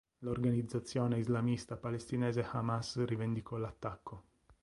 L'organizzazione islamista palestinese Hamas rivendicò l'attacco.